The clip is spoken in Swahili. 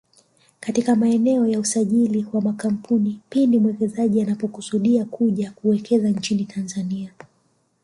katika maeneo ya usajili wa makampuni pindi mwekezaji anapokusudia kuja kuwekeza nchini Tanzania